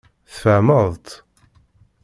Tfehmeḍ-tt?